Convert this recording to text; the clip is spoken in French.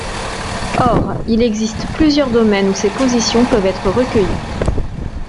Or, il existe plusieurs domaines où ces positions peuvent être recueillies.